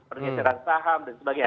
pernihanjaran saham dan sebagainya